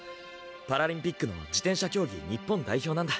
パラリンピックの自転車競技日本代表なんだ。